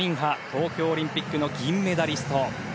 東京オリンピックの銀メダリスト。